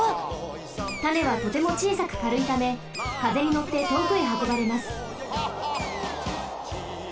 種はとてもちいさくかるいためかぜにのってとおくへはこばれます。